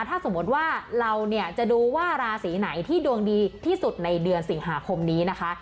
ถ้าสมมติว่าเราเนี่ยจะดูว่าราศีไหนที่ดวงดีที่สุดในเดือนสิงหาคมนี้นะคะ